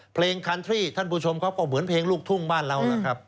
เพลงคันทรีท่านผู้ชมเขาก็เหมือนเพลงลูกทุ่งบ้านเรา